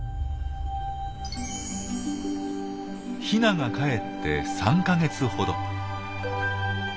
ヒナがかえって３か月ほど。